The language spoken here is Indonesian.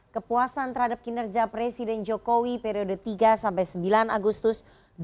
kepuasan terhadap kinerja presiden jokowi periode tiga sampai sembilan agustus dua ribu dua puluh